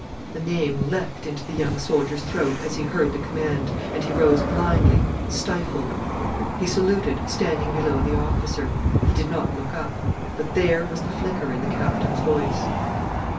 The name leapt into the young soldier's throat as he heard the command, and he rose blindly stifled. He saluted, standing below the officer. He did not look up. But there was the flicker in the Captain's voice.